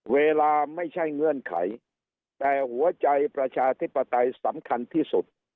เวลาไม่ใช่เงื่อนไขแต่หัวใจประชาธิปไตยสำคัญที่สุด